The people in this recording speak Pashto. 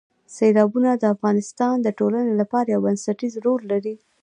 سیلابونه د افغانستان د ټولنې لپاره یو بنسټیز رول لري.